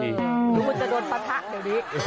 หรือคุณจะโดนปะทะเดี๋ยวนี้